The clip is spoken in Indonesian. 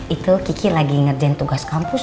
itu kiki lagi ngerjain tugas kampus